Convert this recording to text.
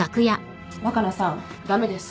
若菜さん駄目です。